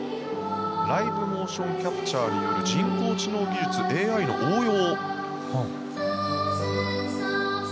ライブモーションキャプチャーによる人工知能技術・ＡＩの応用。